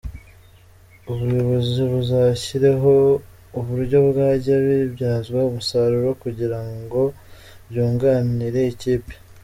Ubuyobozi buzashyireho uburyo byajya bibyazwa umusaruro kugira ngo byunganire ikipe.